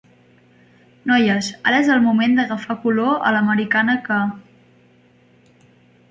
Noies, ara és el moment d'agafar color a l'americana que.